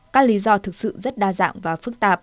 các lý do thực sự rất đa dạng và phức tạp